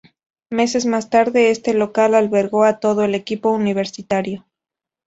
Meses más tarde este local albergó a todo el equipo universitario.